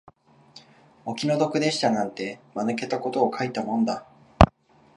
お気の毒でしたなんて、間抜けたことを書いたもんだ